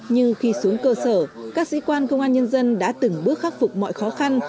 nhưng khi xuống cơ sở các sĩ quan công an nhân dân đã từng bước khắc phục mọi khó khăn